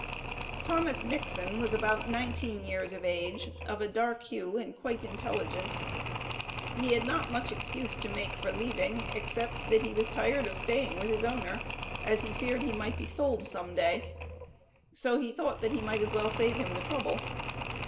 THOMAS NIXON was about nineteen years of age, of a dark hue, and quite intelligent. He had not much excuse to make for leaving, except, that he was "tired of staying" with his "owner," as he "feared he might be sold some day," so he "thought" that he might as well save him the trouble.